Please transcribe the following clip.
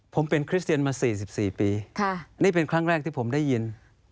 ผมเป็นคริสเตียนมา๔๔ปีนี่เป็นครั้งแรกที่ผมได้ยิน